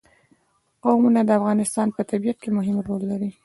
قومونه د افغانستان په طبیعت کې مهم رول لري.